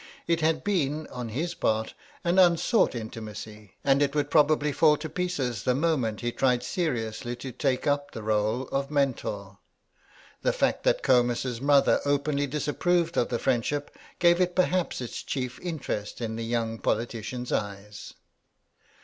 It had been, on his part, an unsought intimacy, and it would probably fall to pieces the moment he tried seriously to take up the rôle of mentor. The fact that Comus's mother openly disapproved of the friendship gave it perhaps its chief interest in the young politician's eyes.